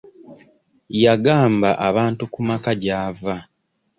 Yagamba abantu ku maka gy'ava.